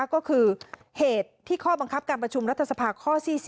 ก็คือเหตุที่ข้อบังคับการประชุมรัฐสภาข้อ๔๐